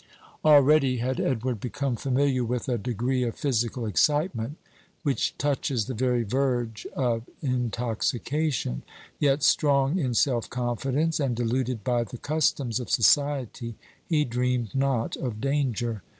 Already had Edward become familiar with a degree of physical excitement which touches the very verge of intoxication; yet, strong in self confidence, and deluded by the customs of society, he dreamed not of danger.